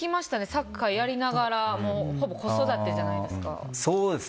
サッカーをやりながらほぼ子育てじゃないですか。